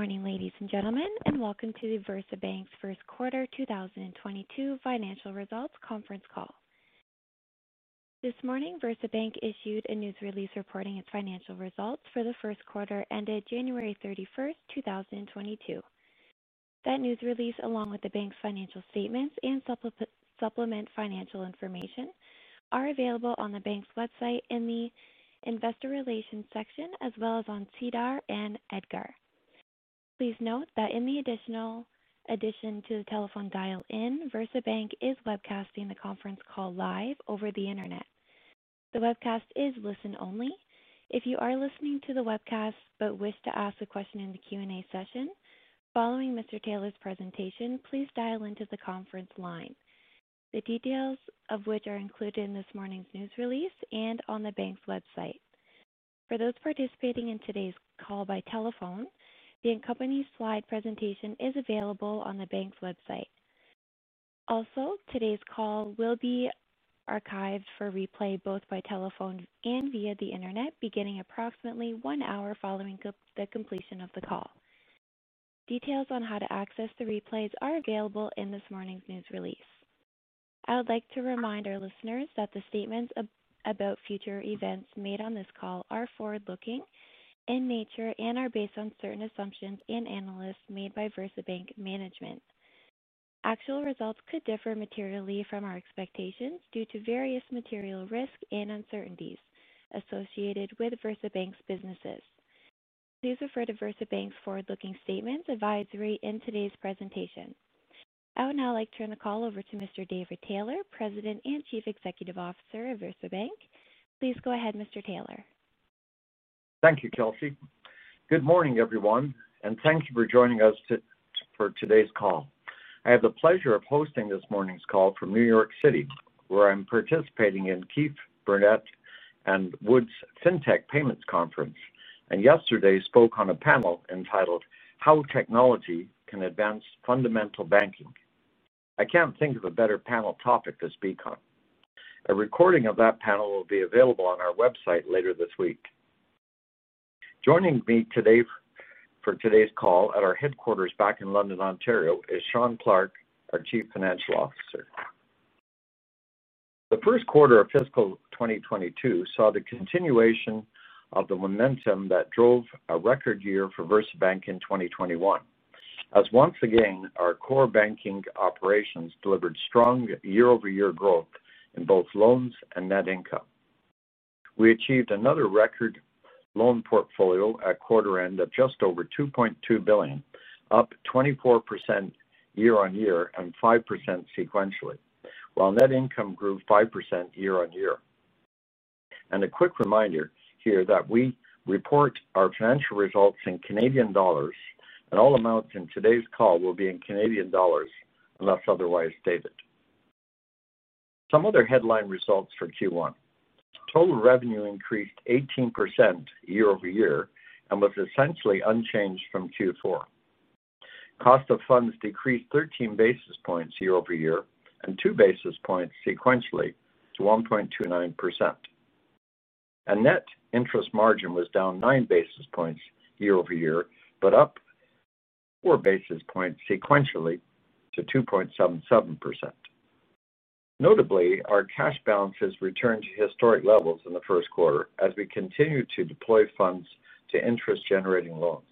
Good morning, ladies and gentlemen, and welcome to VersaBank's first quarter 2022 financial results conference call. This morning, VersaBank issued a news release reporting its financial results for the first quarter ended January 31, 2022. That news release, along with the bank's financial statements and supplement financial information, are available on the bank's website in the investor relations section as well as on SEDAR and EDGAR. Please note that in addition to the telephone dial-in, VersaBank is webcasting the conference call live over the Internet. The webcast is listen only. If you are listening to the webcast but wish to ask a question in the Q&A session following Mr. Taylor's presentation, please dial into the conference line, the details of which are included in this morning's news release and on the bank's website. For those participating in today's call by telephone, the accompanying slide presentation is available on the bank's website. Also, today's call will be archived for replay both by telephone and via the Internet beginning approximately one hour following the completion of the call. Details on how to access the replays are available in this morning's news release. I would like to remind our listeners that the statements about future events made on this call are forward-looking in nature and are based on certain assumptions and analyses made by VersaBank management. Actual results could differ materially from our expectations due to various material risks and uncertainties associated with VersaBank's businesses. Please refer to VersaBank's forward-looking statements advisory in today's presentation. I would now like to turn the call over to Mr. David Taylor, President and Chief Executive Officer of VersaBank. Please go ahead, Mr. Taylor. Thank you, Kelsey. Good morning, everyone, and thank you for joining us for today's call. I have the pleasure of hosting this morning's call from New York City, where I'm participating in Keefe, Bruyette & Woods Fintech Payments Conference, and yesterday spoke on a panel entitled How Technology Can Advance Fundamental Banking. I can't think of a better panel topic to speak on. A recording of that panel will be available on our website later this week. Joining me today for today's call at our headquarters back in London, Ontario, is Shawn Clarke, our Chief Financial Officer. The first quarter of fiscal 2022 saw the continuation of the momentum that drove a record year for VersaBank in 2021, as once again, our core banking operations delivered strong year-over-year growth in both loans and net income. We achieved another record loan portfolio at quarter end of just over 2.2 billion, up 24% year-over-year and 5% sequentially, while net income grew 5% year-over-year. A quick reminder here that we report our financial results in Canadian dollars, and all amounts in today's call will be in Canadian dollars unless otherwise stated. Some other headline results for Q1. Total revenue increased 18% year-over-year and was essentially unchanged from Q4. Cost of funds decreased 13 basis points year-over-year and 2 basis points sequentially to 1.29%. A net interest margin was down 9 basis points year-over-year, but up 4 basis points sequentially to 2.77%. Notably, our cash balances returned to historic levels in the first quarter as we continued to deploy funds to interest generating loans.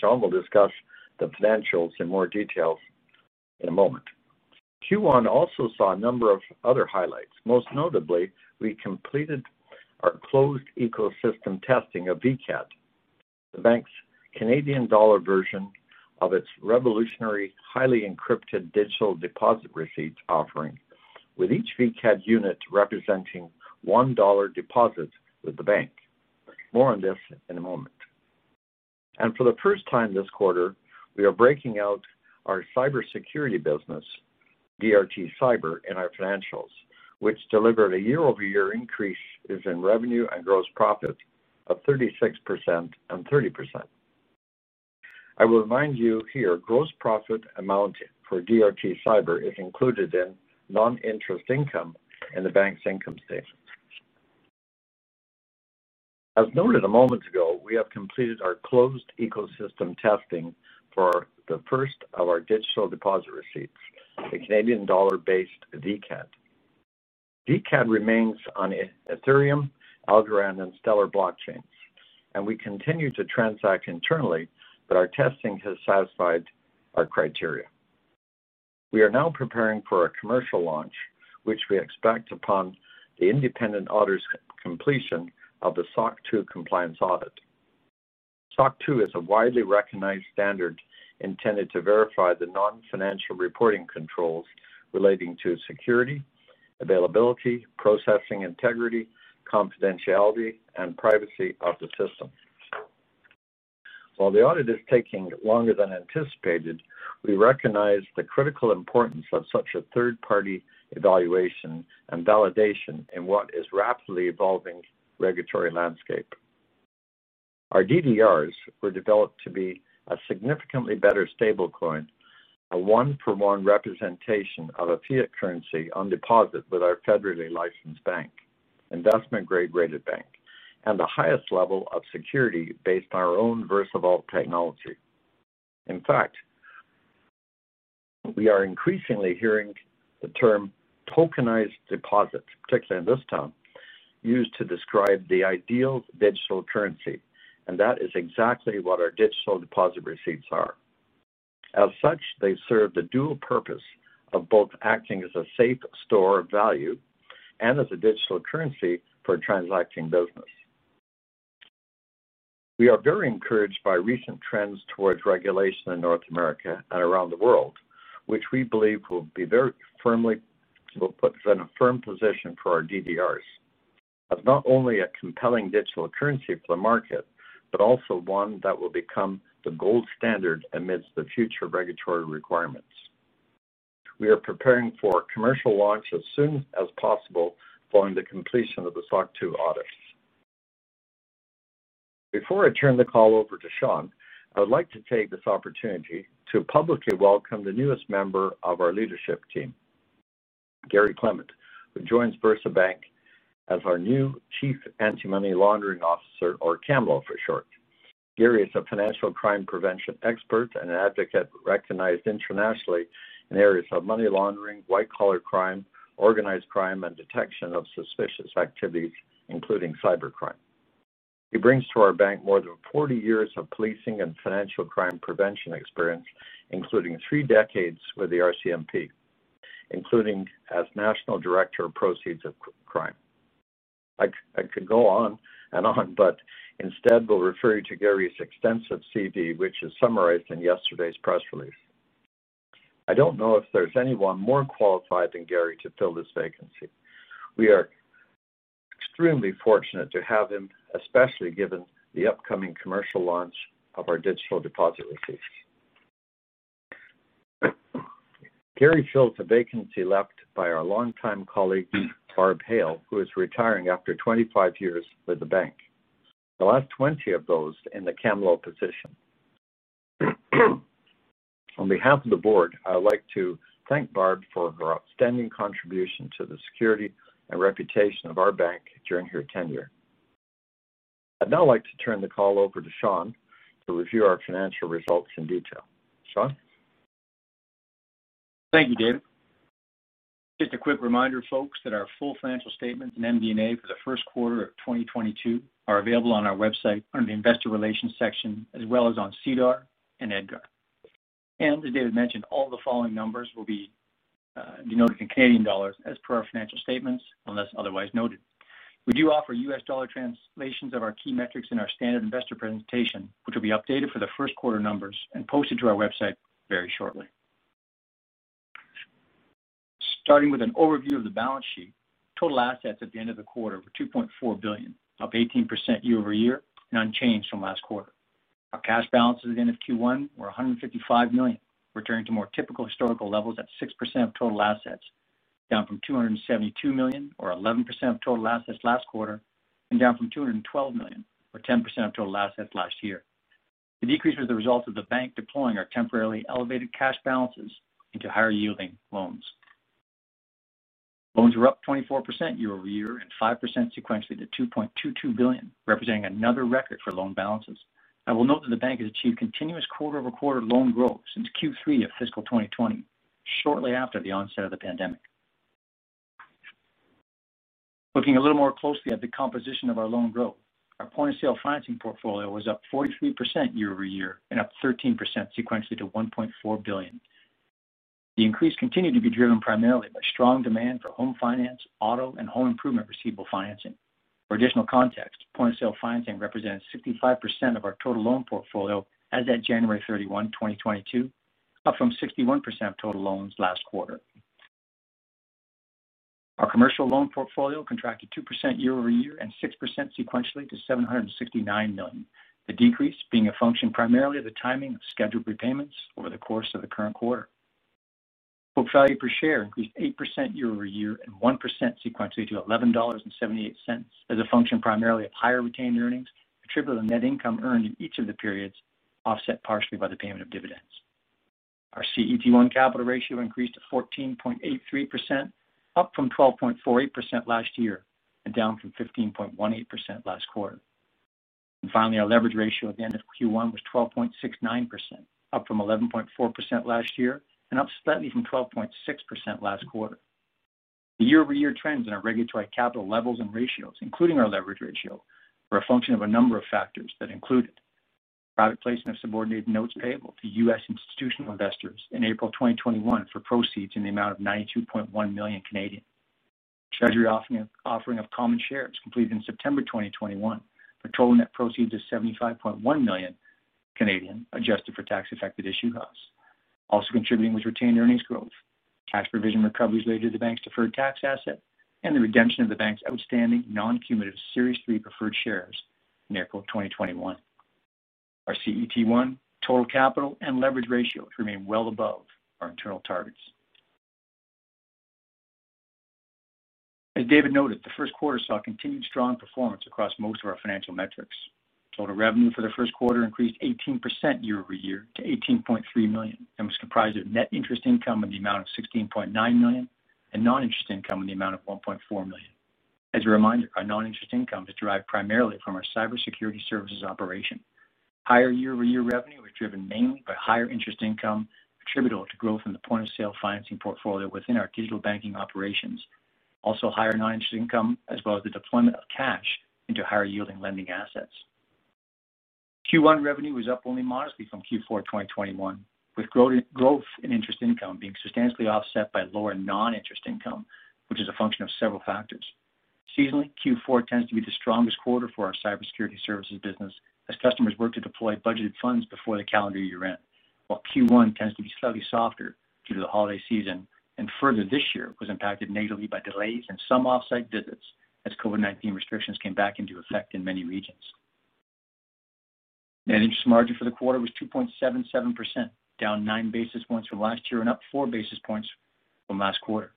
Shawn will discuss the financials in more detail in a moment. Q1 also saw a number of other highlights. Most notably, we completed our closed ecosystem testing of VCAD, the bank's Canadian dollar version of its revolutionary, highly encrypted digital deposit receipts offering, with each VCAD unit representing 1 dollar deposit with the bank. More on this in a moment. For the first time this quarter, we are breaking out our cybersecurity business, DRT Cyber, in our financials, which delivered a year-over-year increase in revenue and gross profit of 36% and 30%. I will remind you here, gross profit amount for DRT Cyber is included in non-interest income in the bank's income statement. As noted a moment ago, we have completed our closed ecosystem testing for the first of our digital deposit receipts, the Canadian dollar-based VCAD. VCAD remains on Ethereum, Algorand, and Stellar blockchains, and we continue to transact internally that our testing has satisfied our criteria. We are now preparing for a commercial launch, which we expect upon the independent auditor's completion of the SOC 2 compliance audit. SOC 2 is a widely recognized standard intended to verify the non-financial reporting controls relating to security, availability, processing integrity, confidentiality, and privacy of the system. While the audit is taking longer than anticipated, we recognize the critical importance of such a third-party evaluation and validation in what is rapidly evolving regulatory landscape. Our DDRs were developed to be a significantly better stablecoin. A one-for-one representation of a fiat currency on deposit with our federally licensed bank, investment-grade rated bank, and the highest level of security based on our own VersaVault technology. In fact, we are increasingly hearing the term tokenized deposits, particularly in this town, used to describe the ideal digital currency, and that is exactly what our Digital Deposit Receipts are. As such, they serve the dual purpose of both acting as a safe store of value and as a digital currency for transacting business. We are very encouraged by recent trends towards regulation in North America and around the world, which we believe will put us in a firm position for our DDRs as not only a compelling digital currency for the market, but also one that will become the gold standard amidst the future regulatory requirements. We are preparing for commercial launch as soon as possible following the completion of the SOC 2 audits. Before I turn the call over to Shawn Clarke, I would like to take this opportunity to publicly welcome the newest member of our leadership team, Garry Clement, who joins VersaBank as our new Chief Anti-Money Laundering Officer, or CAMLO for short. Garry is a financial crime prevention expert and an advocate recognized internationally in areas of money laundering, white-collar crime, organized crime, and detection of suspicious activities, including cybercrime. He brings to our bank more than 40 years of policing and financial crime prevention experience, including three decades with the RCMP, including as National Director of Proceeds of Crime. I could go on and on, but instead we'll refer you to Garry's extensive CV, which is summarized in yesterday's press release. I don't know if there's anyone more qualified than Garry to fill this vacancy. We are extremely fortunate to have him, especially given the upcoming commercial launch of our Digital Deposit Receipts. Garry fills a vacancy left by our longtime colleague, Barbara Hale, who is retiring after 25 years with the bank, the last 20 of those in the CAMLO position. On behalf of the board, I would like to thank Barbara for her outstanding contribution to the security and reputation of our bank during her tenure. I'd now like to turn the call over to Shawn to review our financial results in detail. Shawn? Thank you, David. Just a quick reminder, folks, that our full financial statements and MD&A for the Q1 of 2022 are available on our website under the Investor Relations section, as well as on SEDAR and EDGAR. As David mentioned, all the following numbers will be denoted in Canadian dollars as per our financial statements, unless otherwise noted. We do offer US dollar translations of our key metrics in our standard investor presentation, which will be updated for the Q1 numbers and posted to our website very shortly. Starting with an overview of the balance sheet, total assets at the end of the quarter were 2.4 billion, up 18% year-over-year and unchanged from last quarter. Our cash balances at the end of Q1 were 155 million, returning to more typical historical levels at 6% of total assets, down from 272 million or 11% of total assets last quarter and down from 212 million or 10% of total assets last year. The decrease was the result of the bank deploying our temporarily elevated cash balances into higher yielding loans. Loans were up 24% year-over-year and 5% sequentially to 2.22 billion, representing another record for loan balances. I will note that the bank has achieved continuous quarter-over-quarter loan growth since Q3 of fiscal 2020, shortly after the onset of the pandemic. Looking a little more closely at the composition of our loan growth, our point-of-sale financing portfolio was up 43% year-over-year and up 13% sequentially to 1.4 billion. The increase continued to be driven primarily by strong demand for home finance, auto, and home improvement receivable financing. For additional context, point-of-sale financing represents 65% of our total loan portfolio as at January 31, 2022, up from 61% of total loans last quarter. Our commercial loan portfolio contracted 2% year-over-year and 6% sequentially to 769 million, the decrease being a function primarily of the timing of scheduled repayments over the course of the current quarter. Book value per share increased 8% year-over-year and 1% sequentially to 11.78 dollars as a function primarily of higher retained earnings attributable to net income earned in each of the periods, offset partially by the payment of dividends. Our CET1 capital ratio increased to 14.83%, up from 12.48% last year and down from 15.18% last quarter. Finally, our leverage ratio at the end of Q1 was 12.69%, up from 11.4% last year and up slightly from 12.6% last quarter. The year-over-year trends in our regulatory capital levels and ratios, including our leverage ratio, were a function of a number of factors that included private placement of subordinated notes payable to U.S. institutional investors in April 2021 for proceeds in the amount of 92.1 million. Treasury offering of common shares completed in September 2021 for total net proceeds of 75.1 million adjusted for tax affected issue costs. Also contributing was retained earnings growth, cash provision recoveries related to the bank's deferred tax asset, and the redemption of the bank's outstanding non-cumulative Series three Preferred Shares in April 2021. Our CET1 total capital and leverage ratios remain well above our internal targets. As David noted, the Q1 saw continued strong performance across most of our financial metrics. Total revenue for the Q1 increased 18% year-over-year to 18.3 million and was comprised of net interest income in the amount of 16.9 million and non-interest income in the amount of 1.4 million. As a reminder, our non-interest income is derived primarily from our cybersecurity services operation. Higher year-over-year revenue was driven mainly by higher interest income attributable to growth in the point-of-sale financing portfolio within our digital banking operations. Also higher non-interest income, as well as the deployment of cash into higher yielding lending assets. Q1 revenue was up only modestly from Q4 2021, with growth in interest income being substantially offset by lower non-interest income, which is a function of several factors. Seasonally, Q4 tends to be the strongest quarter for our cybersecurity services business as customers work to deploy budgeted funds before the calendar year end, while Q1 tends to be slightly softer due to the holiday season, and further this year was impacted negatively by delays in some off-site visits as COVID-19 restrictions came back into effect in many regions. Net interest margin for the quarter was 2.77%, down 9 basis points from last year and up 4 basis points from last quarter.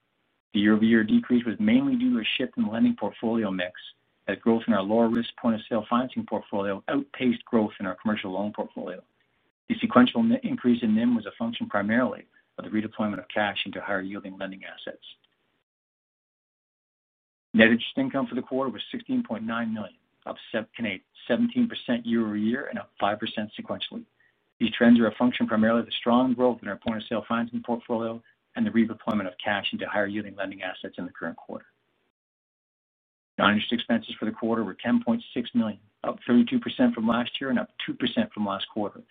The year-over-year decrease was mainly due to a shift in the lending portfolio mix as growth in our lower risk point-of-sale financing portfolio outpaced growth in our commercial loan portfolio. The sequential increase in NIM was a function primarily of the redeployment of cash into higher yielding lending assets. Net interest income for the quarter was 16.9 million, up 17% year-over-year and up 5% sequentially. These trends are a function primarily of the strong growth in our point-of-sale financing portfolio and the redeployment of cash into higher yielding lending assets in the current quarter. Non-interest expenses for the quarter were 10.6 million, up 32% from last year and up 2% from last quarter.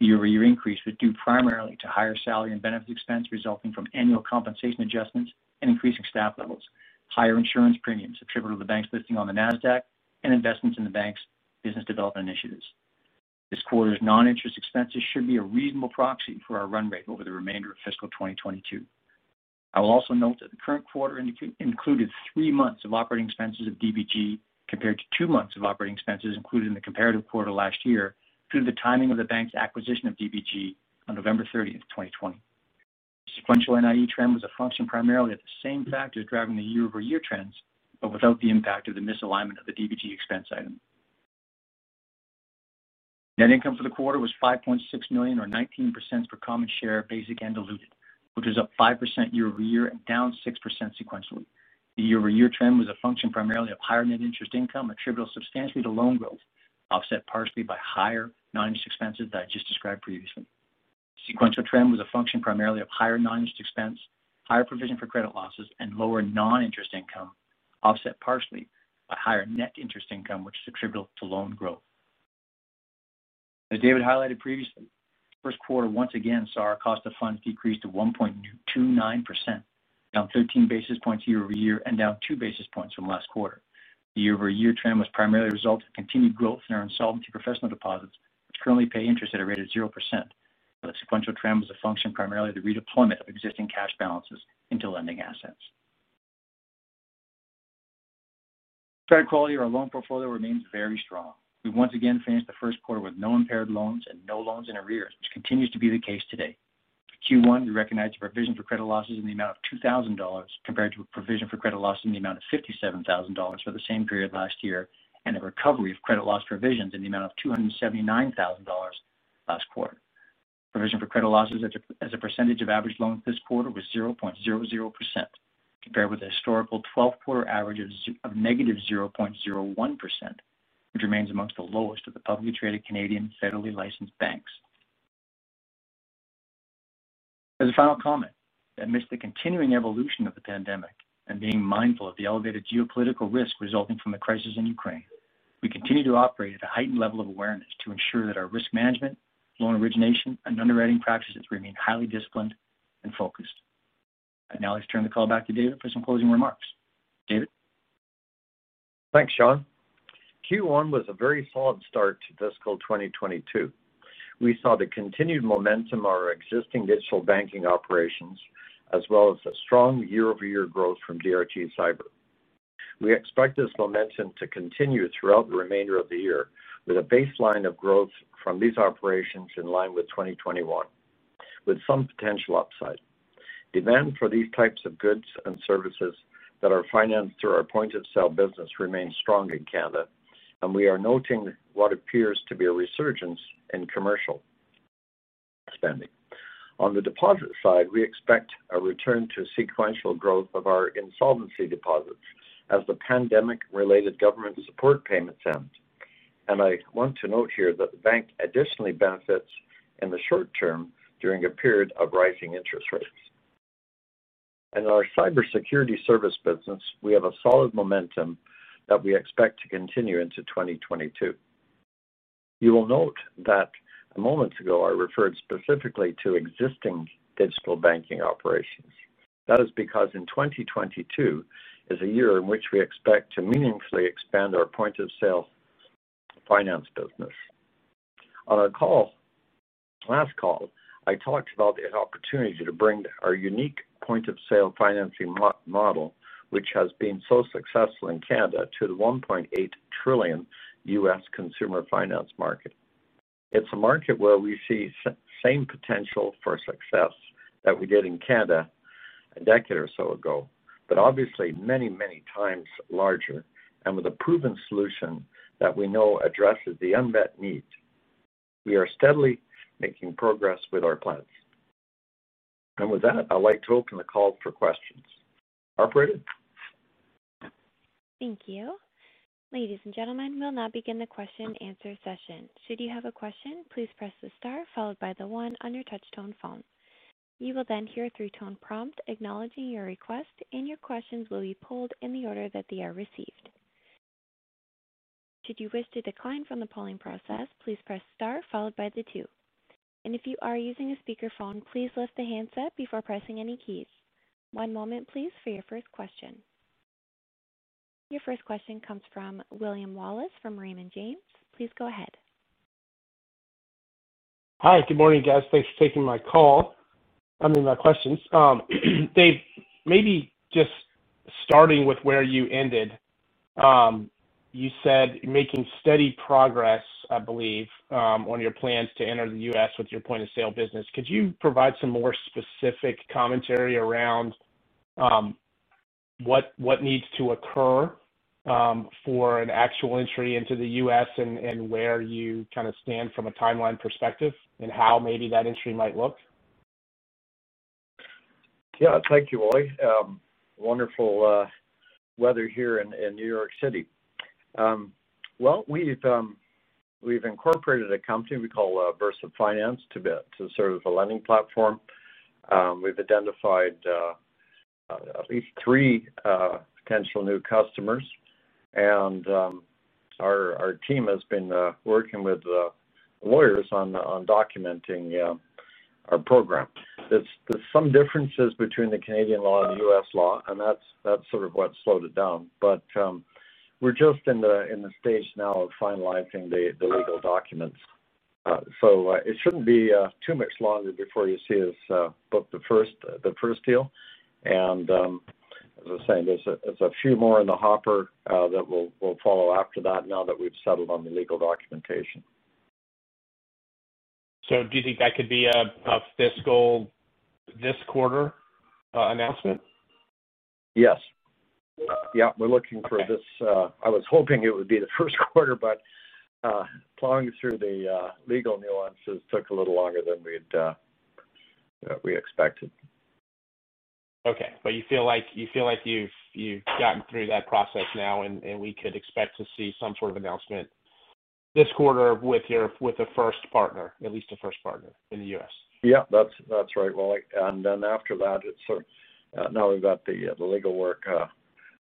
The year-over-year increase was due primarily to higher salary and benefit expense resulting from annual compensation adjustments and increasing staff levels, higher insurance premiums attributable to the bank's listing on the Nasdaq, and investments in the bank's business development initiatives. This quarter's non-interest expenses should be a reasonable proxy for our run rate over the remainder of fiscal 2022. I will also note that the current quarter included three months of operating expenses of DBG compared to two months of operating expenses included in the comparative quarter last year due to the timing of the bank's acquisition of DBG on November 30, 2020. Sequential NIE trend was a function primarily of the same factors driving the year-over-year trends, but without the impact of the misalignment of the DBG expense item. Net income for the quarter was 5.6 million or 19% per common share, basic and diluted, which was up 5% year-over-year and down 6% sequentially. The year-over-year trend was a function primarily of higher net interest income attributable substantially to loan growth, offset partially by higher non-interest expenses that I just described previously. Sequential trend was a function primarily of higher non-interest expense, higher provision for credit losses, and lower non-interest income, offset partially by higher net interest income, which is attributable to loan growth. As David highlighted previously, Q1 once again saw our cost of funds decrease to 1.29%, down 13 basis points year-over-year and down two basis points from last quarter. The year-over-year trend was primarily a result of continued growth in our insolvency professional deposits, which currently pay interest at a rate of 0%. The sequential trend was a function primarily of the redeployment of existing cash balances into lending assets. Credit quality of our loan portfolio remains very strong. We once again finished the Q1 with no impaired loans and no loans in arrears, which continues to be the case today. Q1, we recognized a provision for credit losses in the amount of 2,000 dollars compared to a provision for credit loss in the amount of 57,000 dollars for the same period last year, and a recovery of credit loss provisions in the amount of 279,000 dollars last quarter. Provision for credit losses as a percentage of average loans this quarter was 0.00% compared with a historical 12-quarter average of negative 0.01%, which remains among the lowest of the publicly traded Canadian federally licensed banks. As a final comment, amidst the continuing evolution of the pandemic and being mindful of the elevated geopolitical risk resulting from the crisis in Ukraine, we continue to operate at a heightened level of awareness to ensure that our risk management, loan origination, and underwriting practices remain highly disciplined and focused. I'd now like to turn the call back to David for some closing remarks. David? Thanks, Shawn. Q1 was a very solid start to fiscal 2022. We saw the continued momentum of our existing digital banking operations as well as a strong year-over-year growth from DRT Cyber. We expect this momentum to continue throughout the remainder of the year with a baseline of growth from these operations in line with 2021, with some potential upside. Demand for these types of goods and services that are financed through our point-of-sale business remains strong in Canada, and we are noting what appears to be a resurgence in commercial spending. On the deposit side, we expect a return to sequential growth of our insolvency deposits as the pandemic-related government support payments end. I want to note here that the bank additionally benefits in the short term during a period of rising interest rates. In our cybersecurity service business, we have a solid momentum that we expect to continue into 2022. You will note that moments ago, I referred specifically to existing digital banking operations. That is because 2022 is a year in which we expect to meaningfully expand our point-of-sale finance business. On our last call, I talked about an opportunity to bring our unique point-of-sale financing model, which has been so successful in Canada to the $1.8 trillion US consumer finance market. It's a market where we see same potential for success that we did in Canada a decade or so ago, but obviously many, many times larger and with a proven solution that we know addresses the unmet need. We are steadily making progress with our plans. With that, I'd like to open the call for questions. Operator? Thank you. Ladies and gentlemen, we'll now begin the question-answer session. Should you have a question, please press the star followed by 1 on your touch-tone phone. You will then hear a 3-tone prompt acknowledging your request, and your questions will be pooled in the order that they are received. Should you wish to decline from the polling process, please press star followed by 2. If you are using a speakerphone, please lift the handset before pressing any keys. One moment, please, for your first question. Your first question comes from William Wallace from Raymond James. Please go ahead. Hi. Good morning, guys. Thanks for taking my call. I mean, my questions. David, maybe just starting with where you ended, you said making steady progress, I believe, on your plans to enter the U.S. with your point-of-sale business. Could you provide some more specific commentary around what needs to occur for an actual entry into the U.S. and where you kinda stand from a timeline perspective, and how maybe that entry might look? Yeah. Thank you, William. Wonderful weather here in New York City. Well, we've incorporated a company we call Versa Finance to serve as a lending platform. We've identified at least three potential new customers, and our team has been working with lawyers on documenting our program. There's some differences between the Canadian law and the U.S. law, and that's sort of what slowed it down. We're just in the stage now of finalizing the legal documents. It shouldn't be too much longer before you see us book the first deal. As I was saying, there's a few more in the hopper that will follow after that now that we've settled on the legal documentation. Do you think that could be a fiscal this quarter announcement? Yes. Okay. We're looking for this. I was hoping it would be the Q1, but plowing through the legal nuances took a little longer than we expected. Okay. You feel like you've gotten through that process now, and we could expect to see some sort of announcement this quarter with a first partner, at least a first partner in the U.S.? Yeah. That's right, Walliam. After that, it's sort of now we've got the legal work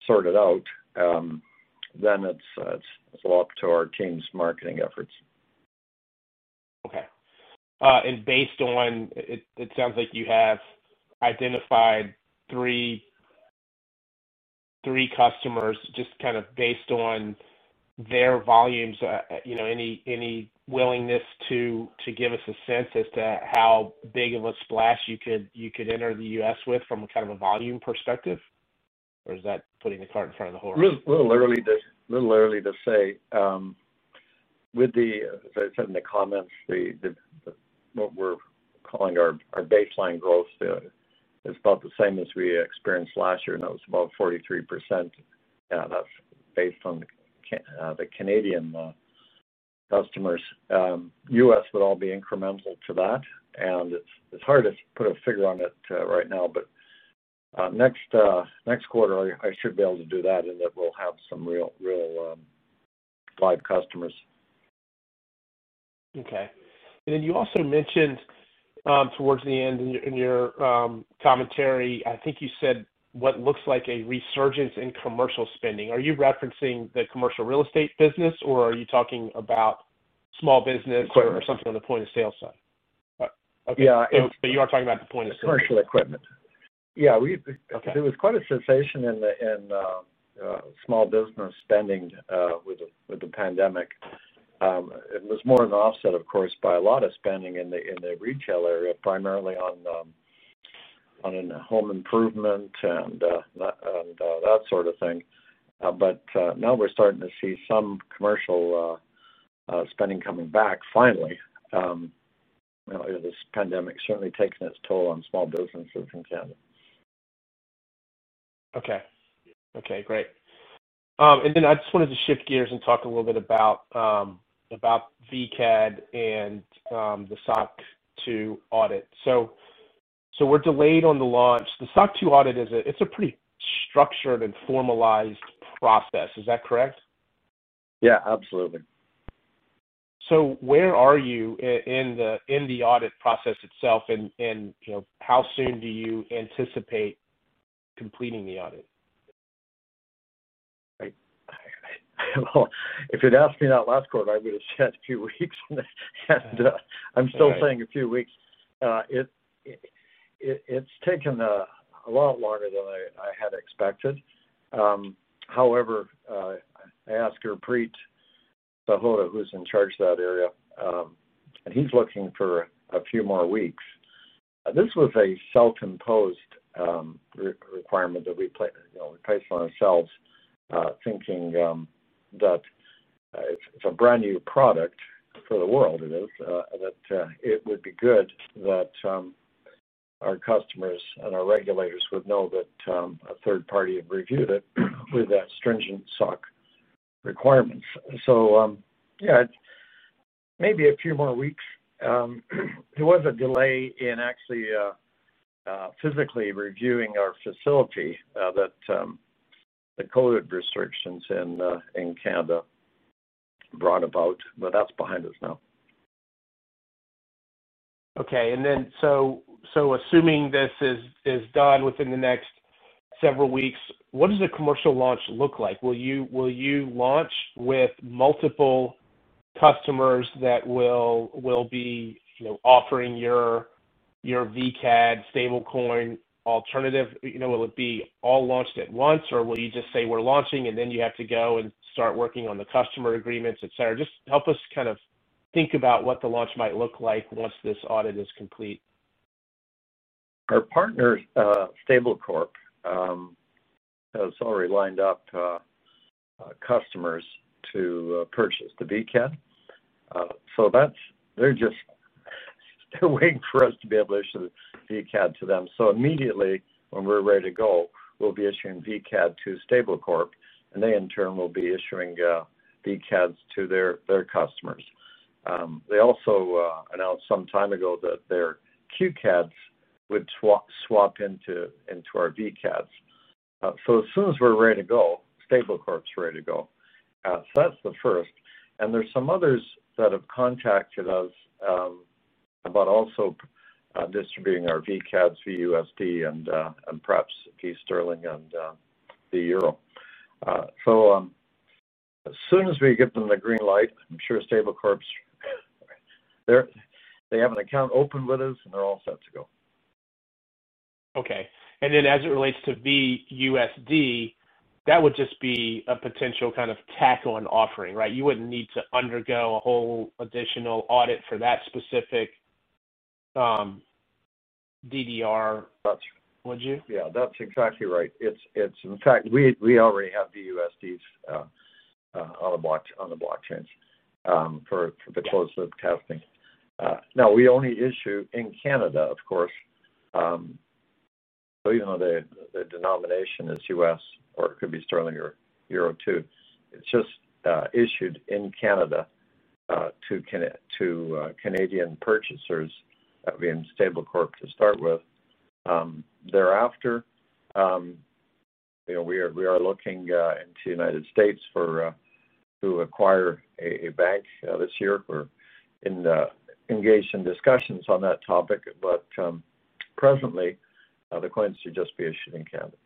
sorted out, then it's all up to our team's marketing efforts. Okay. Based on it sounds like you have identified three customers just kind of based on their volumes. You know, any willingness to give us a sense as to how big of a splash you could enter the U.S. with from a kind of a volume perspective? Is that putting the cart in front of the horse? A little early to say. As I said in the comments, what we're calling our baseline growth is about the same as we experienced last year, and that was about 43%. Yeah, that's based on the Canadian customers. US would all be incremental to that, and it's hard to put a figure on it right now. Next quarter, I should be able to do that in that we'll have some real live customers. Okay. You also mentioned towards the end in your commentary. I think you said what looks like a resurgence in commercial spending. Are you referencing the commercial real estate business, or are you talking about small business- Equipment or something on the point-of-sale side? Yeah. Okay. You are talking about the point of sale. Commercial equipment. Yeah. Okay. There was quite a sensation in small business spending with the pandemic. It was more than offset, of course, by a lot of spending in the retail area, primarily on home improvement and that sort of thing. Now we're starting to see some commercial spending coming back finally. You know, this pandemic certainly taken its toll on small businesses in Canada. Okay, great. I just wanted to shift gears and talk a little bit about VCAD and the SOC 2 audit. We're delayed on the launch. The SOC 2 audit is a pretty structured and formalized process. Is that correct? Yeah, absolutely. Where are you in the audit process itself and, you know, how soon do you anticipate completing the audit? Well, if you'd asked me that last quarter, I would've said a few weeks. I'm still saying a few weeks. It's taken a lot longer than I had expected. However, I asked Gurpreet Sahota, who's in charge of that area, and he's looking for a few more weeks. This was a self-imposed re-requirement that we, you know, placed on ourselves, thinking that it's a brand new product for the world it is, that it would be good that our customers and our regulators would know that a third party had reviewed it with that stringent SOC requirements. Yeah, maybe a few more weeks. There was a delay in actually physically reviewing our facility that the COVID restrictions in Canada brought about, but that's behind us now. Okay. Assuming this is done within the next several weeks, what does a commercial launch look like? Will you launch with multiple customers that will be, you know, offering your VCAD stablecoin alternative? You know, will it be all launched at once, or will you just say we're launching, and then you have to go and start working on the customer agreements, et cetera? Just help us kind of think about what the launch might look like once this audit is complete. Our partners, Stablecorp, has already lined up customers to purchase the VCAD. That's... They're just waiting for us to be able to issue the VCAD to them. Immediately when we're ready to go, we'll be issuing VCAD to Stablecorp, and they in turn will be issuing VCADs to their customers. They also announced some time ago that their QCADs would swap into our VCADs. As soon as we're ready to go, Stablecorp's ready to go. That's the first. There's some others that have contacted us about also distributing our VCADs, VUSD and perhaps VSterling and VEuro. As soon as we give them the green light, I'm sure Stablecorp's... They have an account open with us, and they're all set to go. Okay. As it relates to VUSD, that would just be a potential kind of tack-on offering, right? You wouldn't need to undergo a whole additional audit for that specific DDR- That's- Would you? Yeah. That's exactly right. In fact, we already have VUSDs on the blockchains for the closed loop testing. Now we only issue in Canada, of course. Even though the denomination is US or it could be sterling or euro too, it's just issued in Canada to Canadian purchasers. That'd be in Stablecorp to start with. Thereafter, you know, we are looking into the United States to acquire a bank this year. We're engaged in discussions on that topic, but presently the coins should just be issued in Canada.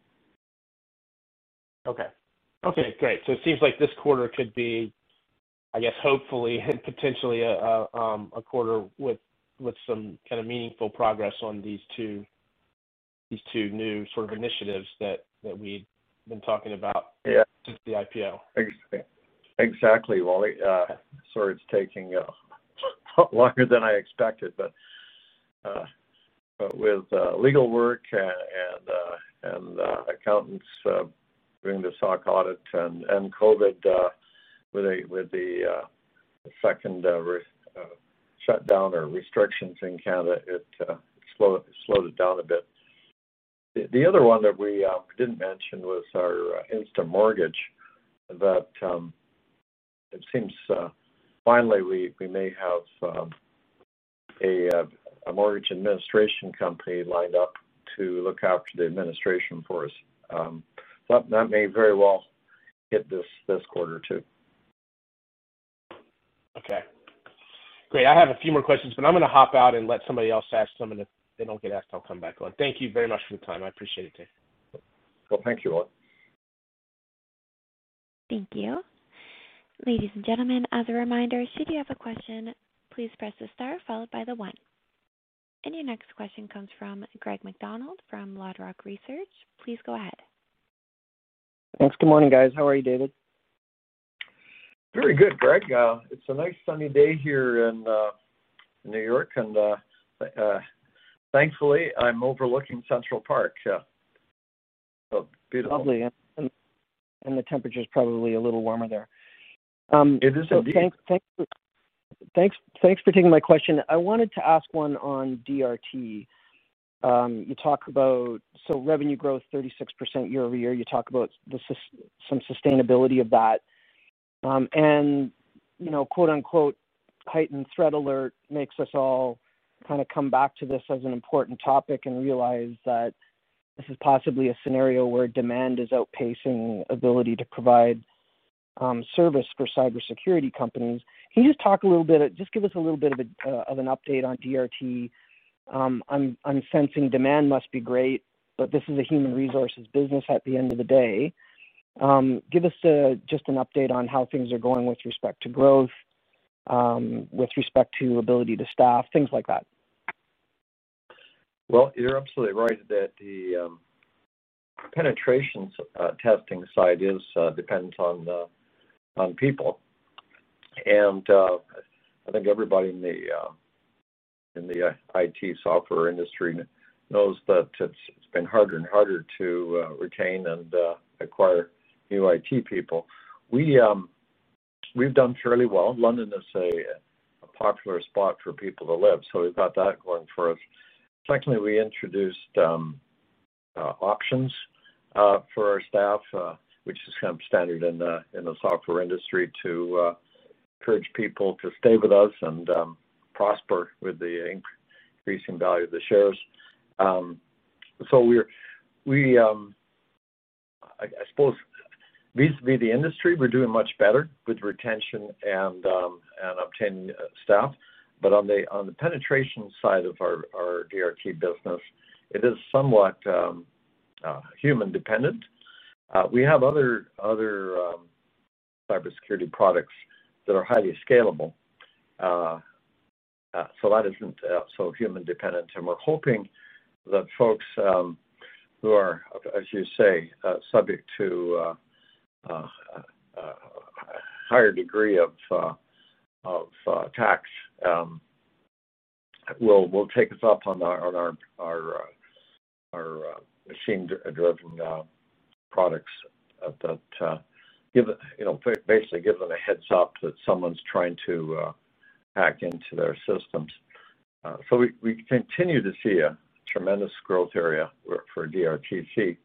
Okay. Okay. Great. It seems like this quarter could be, I guess, hopefully and potentially a quarter with some kind of meaningful progress on these two new sort of initiatives that we've been talking about. Yeah. since the IPO. Exactly, Walliam. Sorry, it's taking longer than I expected, but with legal work and accountants doing the SOC 2 audit and COVID with the second shutdown or restrictions in Canada, it slowed it down a bit. The other one that we didn't mention was our InstaMortgage that it seems finally we may have a mortgage administration company lined up to look after the administration for us. That may very well hit this quarter too. Okay. Great. I have a few more questions, but I'm gonna hop out and let somebody else ask some. If they don't get asked, I'll come back on. Thank you very much for the time. I appreciate it, David. Well, thank you, Walliam. Thank you. Ladies and gentlemen, as a reminder, should you have a question, please press the star followed by the one. Your next question comes from Greg MacDonald from LodeRock Research. Please go ahead. Thanks. Good morning, guys. How are you, David? Very good, Greg. It's a nice sunny day here in New York, and thankfully, I'm overlooking Central Park. So beautiful. Lovely. The temperature's probably a little warmer there. It is indeed. Thanks for taking my question. I wanted to ask one on DRT. You talk about revenue growth 36% year-over-year. You talk about some sustainability of that. You know, quote-unquote heightened threat alert makes us all kinda come back to this as an important topic and realize that this is possibly a scenario where demand is outpacing ability to provide service for cybersecurity companies. Can you just talk a little bit, just give us a little bit of an update on DRT? I'm sensing demand must be great, but this is a human resources business at the end of the day. Give us just an update on how things are going with respect to growth, with respect to ability to staff, things like that. Well, you're absolutely right that the penetration testing side it depends on people. I think everybody in the IT software industry knows that it's been harder and harder to retain and acquire new IT people. We've done fairly well. London is a popular spot for people to live, so we've got that going for us. Secondly, we introduced options for our staff, which is kind of standard in the software industry to encourage people to stay with us and prosper with the increasing value of the shares. I suppose vis-a-vis the industry, we're doing much better with retention and obtaining staff. On the penetration side of our DRT business, it is somewhat human dependent. We have other cybersecurity products that are highly scalable. So that isn't so human dependent, and we're hoping that folks who are, as you say, subject to a higher degree of attacks will take us up on our machine-driven products that give a... You know, basically give them a heads up that someone's trying to hack into their systems. So we continue to see a tremendous growth area for DRT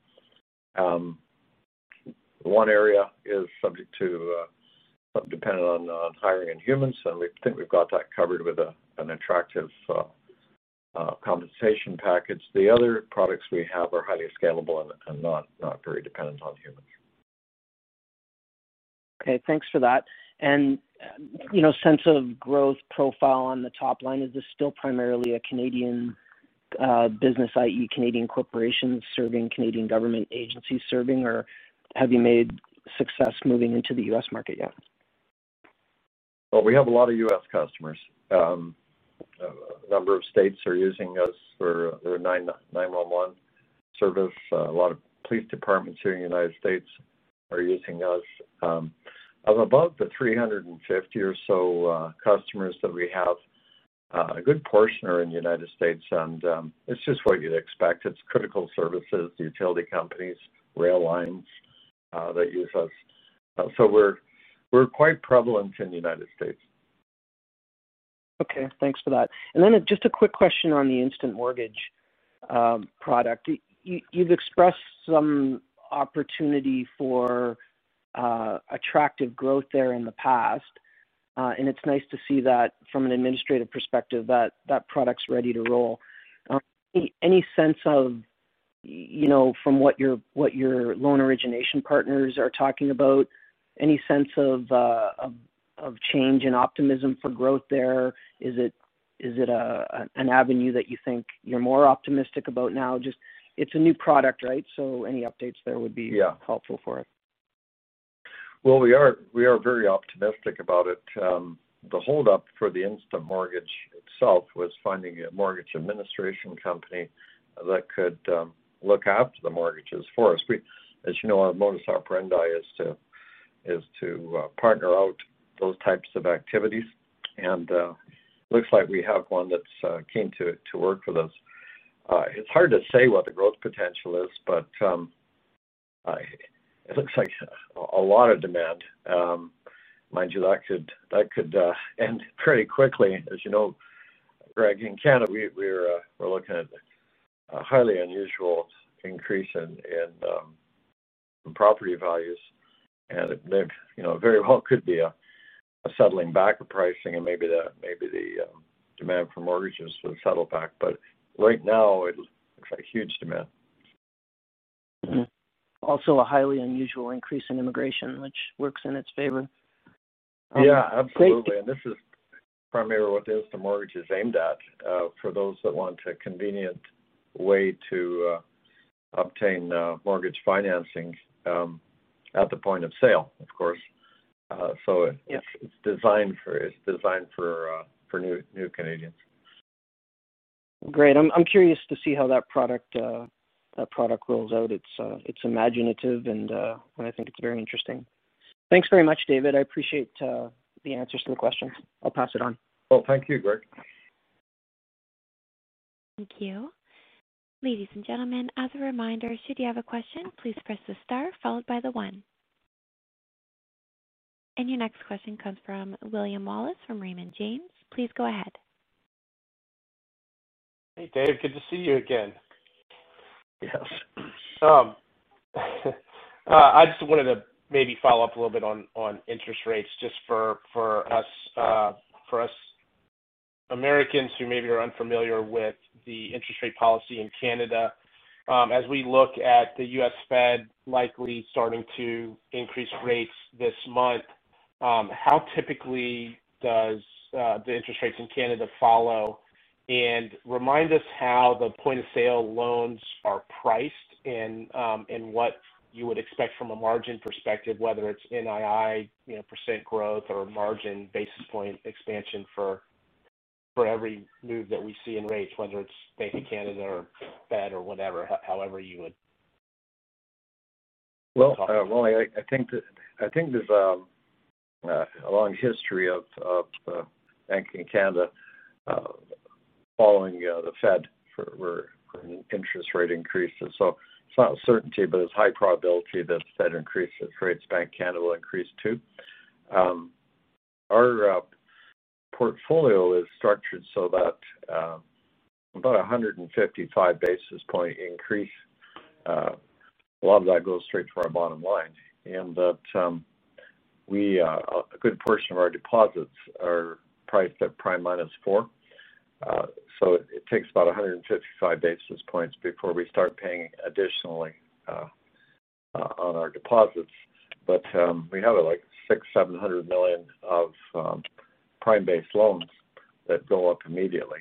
Cyber. One area is subject to dependent on hiring in humans, and we think we've got that covered with an attractive compensation package. The other products we have are highly scalable and not very dependent on humans. Okay. Thanks for that. You know, sense of growth profile on the top line. Is this still primarily a Canadian business, i.e., Canadian corporations serving Canadian government agencies, or have you had success moving into the U.S. market yet? Well, we have a lot of U.S. customers. A number of states are using us for their 911 service. A lot of police departments here in the United States are using us. Of about 350 or so customers that we have, a good portion are in the United States. It's just what you'd expect. It's critical services, utility companies, rail lines that use us. We're quite prevalent in the United States. Okay. Thanks for that. Just a quick question on the InstaMortgage product. You've expressed some opportunity for attractive growth there in the past, and it's nice to see that from an administrative perspective that product's ready to roll. Any sense of, you know, from what your loan origination partners are talking about, any sense of change in optimism for growth there? Is it an avenue that you think you're more optimistic about now? Just it's a new product, right? Any updates there would be- Yeah. Helpful for us. Well, we are very optimistic about it. The hold up for the InstaMortgage itself was finding a mortgage administration company that could look after the mortgages for us. As you know, our modus operandi is to partner out those types of activities, and looks like we have one that's keen to work with us. It's hard to say what the growth potential is, but it looks like a lot of demand. Mind you, that could end pretty quickly. As you know, Greg, in Canada, we're looking at a highly unusual increase in property values. It you know, very well could be a settling back of pricing and maybe the demand for mortgages will settle back. Right now it looks like huge demand. Also a highly unusual increase in immigration, which works in its favor. Yeah, absolutely. Great. This is primarily what the InstaMortgage is aimed at, for those that want a convenient way to obtain mortgage financing at the point of sale, of course. Yes. It's designed for new Canadians. Great. I'm curious to see how that product rolls out. It's imaginative and I think it's very interesting. Thanks very much, David. I appreciate the answers to the questions. I'll pass it on. Well, thank you, Greg. Thank you. Ladies and gentlemen, as a reminder, should you have a question, please press the star followed by the one. Your next question comes from William Wallace from Raymond James. Please go ahead. Hey, David. Good to see you again. Yes. I just wanted to maybe follow up a little bit on interest rates just for us Americans who maybe are unfamiliar with the interest rate policy in Canada. As we look at the U.S. Fed likely starting to increase rates this month, how typically does interest rates in Canada follow? Remind us how the point-of-sale loans are priced and what you would expect from a margin perspective, whether it's NII, you know, percent growth or margin basis point expansion for every move that we see in rates, whether it's Bank of Canada or Fed or whatever, however you would talk about that. Well, Walliam, I think there's a long history of banking in Canada following the Fed for interest rate increases. It's not a certainty, but it's high probability that if the Fed increases rates, Bank of Canada will increase too. Our portfolio is structured so that about 155 basis point increase a lot of that goes straight to our bottom line. That a good portion of our deposits are priced at prime minus four. It takes about 155 basis points before we start paying additionally on our deposits. We have, like, 600 million-700 million of prime-based loans that go up immediately.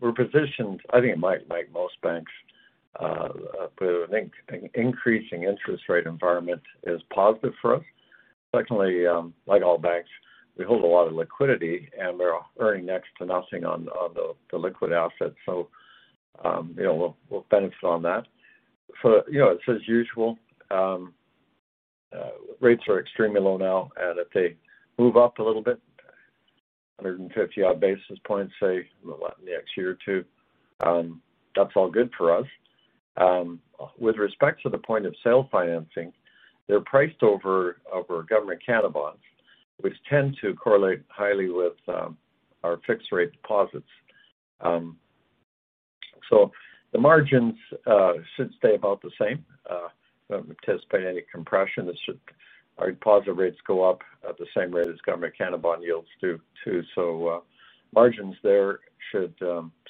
We're positioned, I think, like most banks, but I think an increasing interest rate environment is positive for us. Secondly, like all banks, we hold a lot of liquidity, and we're earning next to nothing on the liquid assets. We'll benefit on that. You know, it's as usual, rates are extremely low now, and if they move up a little bit, 150 odd basis points, say, in the next year or two, that's all good for us. With respect to the point-of-sale financing, they're priced over Government of Canada bonds, which tend to correlate highly with our fixed rate deposits. The margins should stay about the same. I don't anticipate any compression. It should. Our deposit rates go up at the same rate as Government of Canada bond yields do, too. Margins there should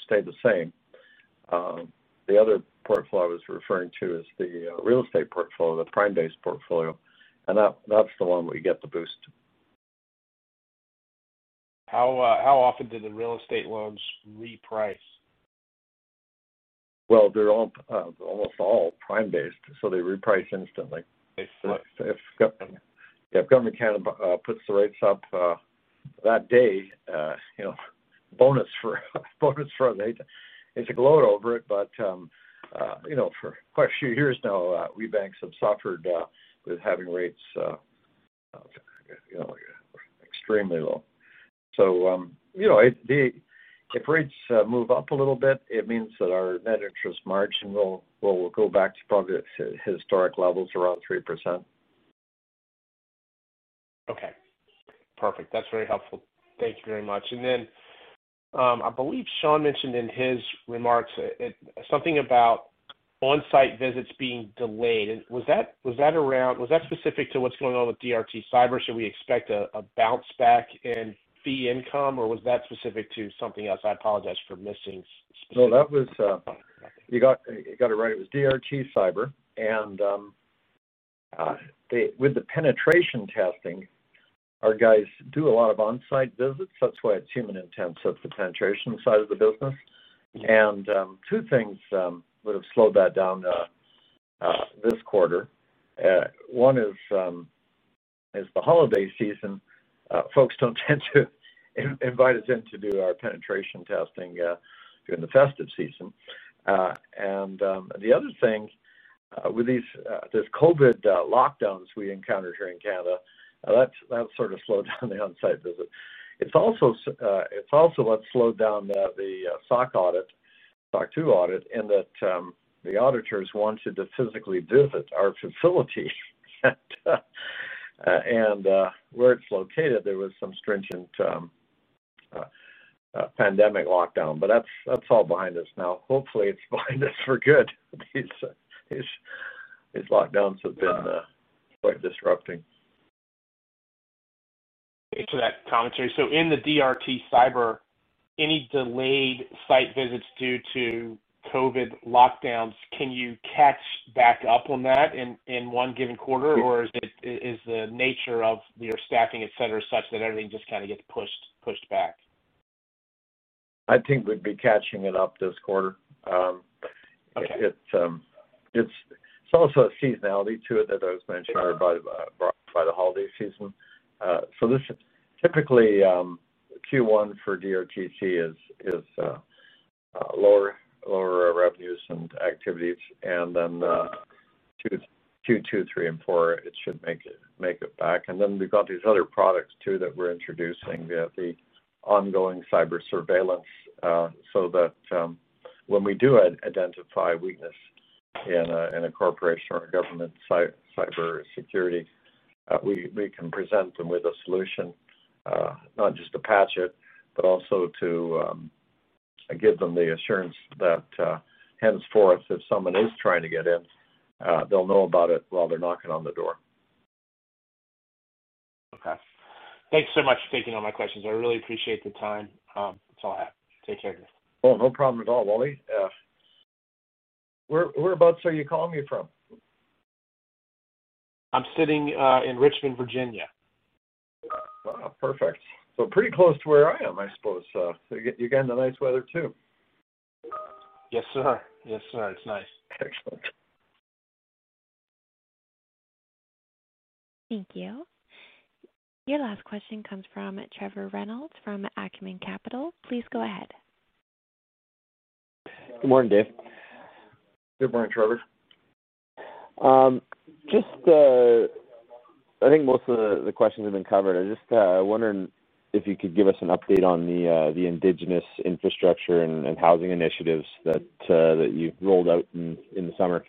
stay the same. The other portfolio I was referring to is the real estate portfolio, the prime-based portfolio, and that's the one where you get the boost. How often do the real estate loans reprice? Well, they're all almost all prime-based, so they reprice instantly. They do. If Government of Canada puts the rates up that day, you know, bonus for them. They have to gloat over it. You know, for quite a few years now, we banks have suffered with having rates you know, extremely low. You know, if rates move up a little bit, it means that our net interest margin will go back to probably historic levels around 3%. Okay. Perfect. That's very helpful. Thank you very much. I believe Shawn mentioned in his remarks something about on-site visits being delayed. Was that specific to what's going on with DRT Cyber? Should we expect a bounce back in fee income, or was that specific to something else? I apologize for missing something. No, that was. You got it right. It was DRT Cyber. With the penetration testing, our guys do a lot of on-site visits. That's why it's human-intensive, the penetration side of the business. Two things would have slowed that down this quarter. One is the holiday season. Folks don't tend to invite us in to do our penetration testing during the festive season. The other thing with these COVID lockdowns we encountered here in Canada, that sort of slowed down the on-site visit. It's also what slowed down the SOC audit, SOC 2 audit, in that the auditors wanted to physically visit our facility. Where it's located, there was some stringent pandemic lockdown. That's all behind us now. Hopefully, it's behind us for good. These lockdowns have been quite disrupting. Thanks for that commentary. In the DRT Cyber, any delayed site visits due to COVID lockdowns, can you catch back up on that in one given quarter? Or is it, is the nature of your staffing, et cetera, such that everything just kind of gets pushed back? I think we'd be catching it up this quarter. Okay. It's also a seasonality to it that I was mentioning earlier about brought by the holiday season. Typically, Q1 for DRT Cyber is lower revenues and activities. Then two, three, and four, it should make it back. Then we've got these other products too that we're introducing, the ongoing cyber surveillance, so that when we do identify weakness in a corporation or a government cybersecurity, we can present them with a solution, not just to patch it, but also to give them the assurance that henceforth, if someone is trying to get in, they'll know about it while they're knocking on the door. Okay. Thanks so much for taking all my questions. I really appreciate the time. That's all I have. Take care. Oh, no problem at all, Walliam. Whereabouts are you calling me from? I'm sitting in Richmond, Virginia. Wow. Perfect. Pretty close to where I am, I suppose. You're getting the nice weather too. Yes, sir. It's nice. Excellent. Thank you. Your last question comes from Trevor Reynolds from Acumen Capital. Please go ahead. Good morning, David. Good morning, Trevor. Just, I think most of the questions have been covered. I was just wondering if you could give us an update on the Indigenous infrastructure and housing initiatives that you've rolled out in the summer.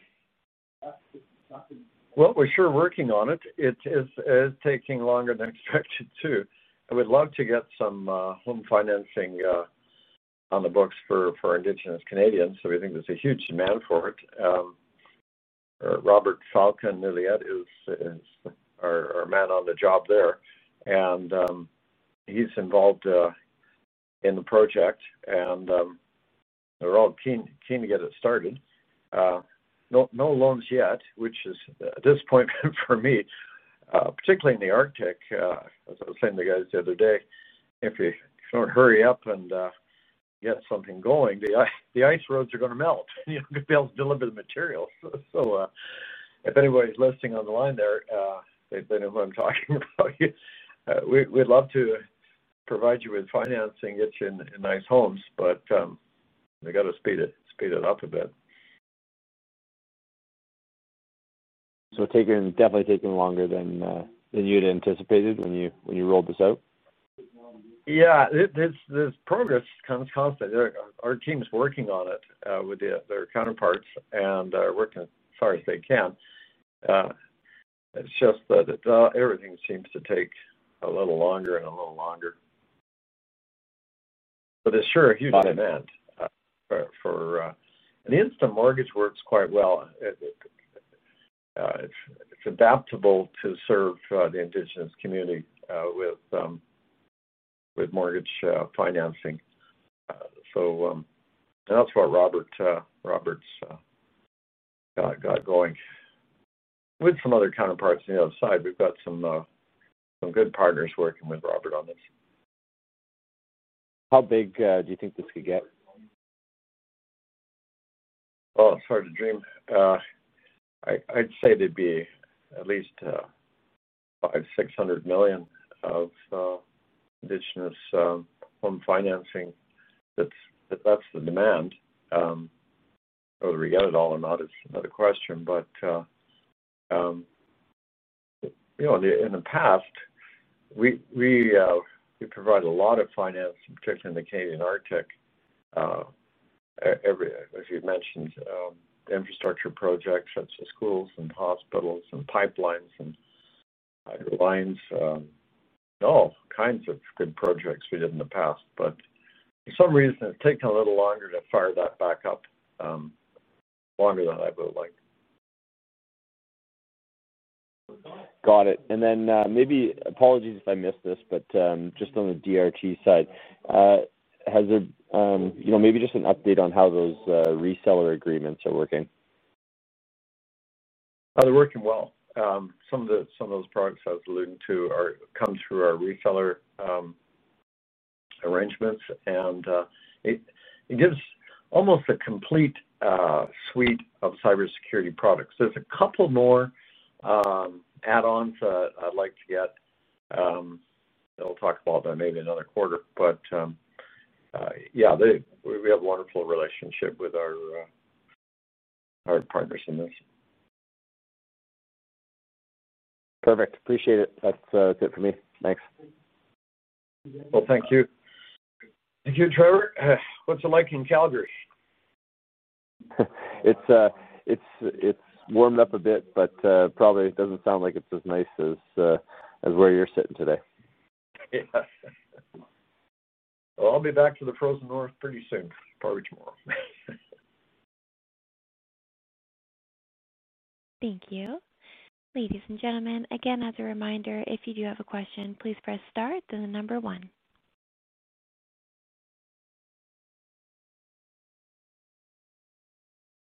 Well, we're sure working on it. It is taking longer than expected too. I would love to get some home financing on the books for Indigenous Canadians. We think there's a huge demand for it. Robert-Falcon Ouellette is our man on the job there, and he's involved in the project, and we're all keen to get it started. No loans yet, which is disappointing for me, particularly in the Arctic. As I was saying to the guys the other day, if you don't hurry up and get something going, the ice roads are gonna melt. You won't be able to deliver the material. If anybody's listening on the line there, they know who I'm talking about. We'd love to provide you with financing, get you in nice homes, but they gotta speed it up a bit. Definitely taking longer than you'd anticipated when you rolled this out? There's constant progress. Our team's working on it with their counterparts and are working as far as they can. It's just that everything seems to take a little longer and a little longer. There's sure a huge demand for the InstaMortgage. It works quite well. It's adaptable to serve the Indigenous community with mortgage financing. That's what Robert's got going. With some other counterparts on the other side, we've got some good partners working with Robert on this. How big do you think this could get? It's hard to dream. I'd say there'd be at least 500 million-600 million of indigenous home financing. That's the demand. Whether we get it all or not is another question. You know, in the past, we provided a lot of finance, particularly in the Canadian Arctic. As you've mentioned, infrastructure projects such as schools and hospitals and pipelines and power lines, all kinds of good projects we did in the past. For some reason, it's taking a little longer to fire that back up, longer than I would like. Got it. Maybe apologies if I missed this, but just on the DRT side, has there you know, maybe just an update on how those reseller agreements are working? They're working well. Some of those products I was alluding to come through our reseller arrangements, and it gives almost a complete suite of cybersecurity products. There's a couple more add-ons that I'd like to get that we'll talk about maybe another quarter. Yeah, we have a wonderful relationship with our partners in this. Perfect. Appreciate it. That's good for me. Thanks. Well, thank you. Thank you, Trevor. What's it like in Calgary? It's warmed up a bit, but probably doesn't sound like it's as nice as where you're sitting today. Well, I'll be back to the frozen north pretty soon. Probably tomorrow. Thank you. Ladies and gentlemen, again, as a reminder, if you do have a question, please press star then one.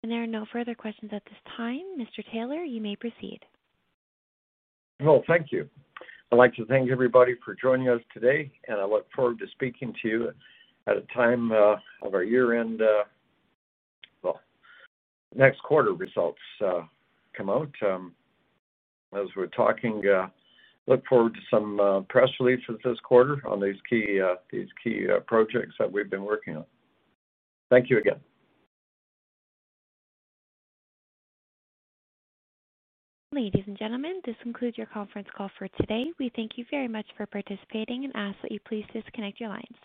There are no further questions at this time. Mr. Taylor, you may proceed. Well, thank you. I'd like to thank everybody for joining us today, and I look forward to speaking to you at a time of our year-end next quarter results come out. As we're talking, look forward to some press releases this quarter on these key projects that we've been working on. Thank you again. Ladies and gentlemen, this concludes your conference call for today. We thank you very much for participating and ask that you please disconnect your lines.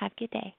Have a good day.